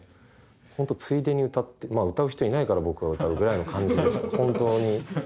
本当ついでに歌ってまあ歌う人いないから僕が歌うぐらいの感じでした本当に。